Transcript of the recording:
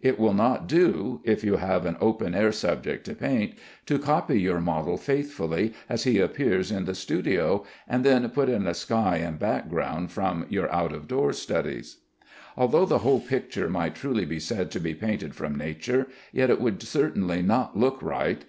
It will not do (if you have an open air subject to paint) to copy your model faithfully as he appears in the studio, and then put in a sky and background from your out of door studies. Although the whole picture might truly be said to be painted from nature, yet it would certainly not look right.